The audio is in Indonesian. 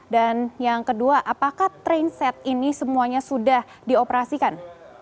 dan yang kedua apakah trainset ini semuanya sudah dioperasikan